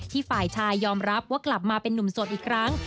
ฝ่ายชายยอมรับว่ากลับมาเป็นนุ่มโสดอีกครั้ง